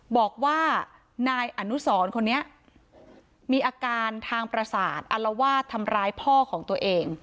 บอกว่านายอนุสรคนนี้มีอาการทางประสาทอัลวาดทำร้ายพ่อของตัวเอง